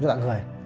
những bạn người